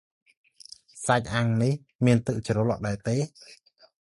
សាច់អាំងនេះមានទឹកជ្រលក់ដែរទេ?